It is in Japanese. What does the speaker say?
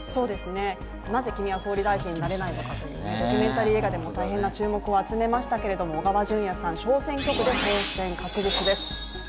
「なぜ、君は総理大臣になれないのか」というドキュメンタリー映画でも大変な注目を集めましたけど小川淳也さん、小選挙区で当選確実です。